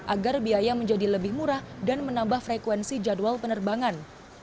agar biaya menjadi lebih murah dan menambah frekuensi jadwal penerbangan